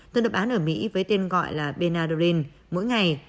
tên đập án ở mỹ với tên gọi là benadryl mỗi ngày